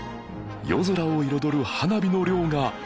夜空を彩る花火の量がすごい